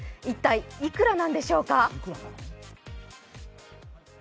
一体、いくらなんでしょうか。